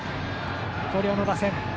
広陵の打線。